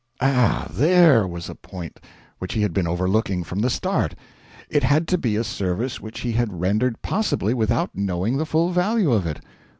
Ah THERE was a point which he had been overlooking from the start: it had to be a service which he had rendered "possibly without knowing the full value of it."